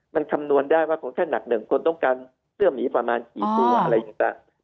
มันคำนวณได้ว่าคนแค่หนักหนึ่งคนต้องการเสื้อมหนีประมาณสี่ตัวอะไรอย่างเงี้ย